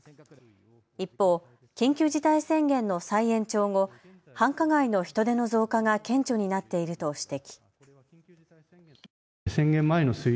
一方、緊急事態宣言の再延長後、繁華街の人出の増加が顕著になっていると指摘。